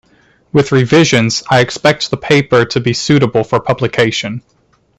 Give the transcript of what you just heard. With revisions I expect the paper to be suitable for publication.